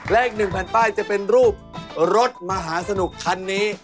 เลข๑แผ่นป้ายจะเป็นรูปรถมหาสนุกคันนี้